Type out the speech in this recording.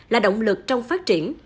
là động lực trong phát triển